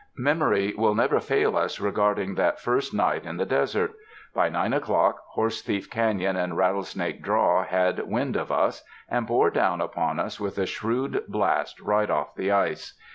Memory will never fail us regarding that first night in the desert. By nine o'clock Horsethief Caiion and Rattlesnake Draw had wind of us, and bore down upon us with a shrewd blast right off the ice.